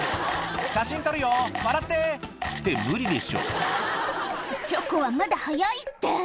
「写真撮るよ笑って」って無理でしょ「チョコはまだ早いって！」